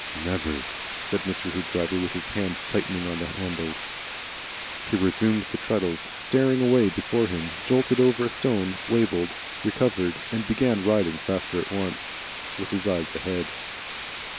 "Never!" said Mr. Hoopdriver with his hands tightening on the handles. He resumed the treadles, staring away before him, jolted over a stone, wabbled, recovered, and began riding faster at once, with his eyes ahead.